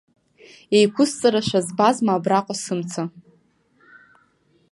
Еиқәысҵарашәа збазма абраҟа сымца?